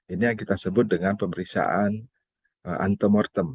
ini yang kita sebut dengan pemeriksaan antemortem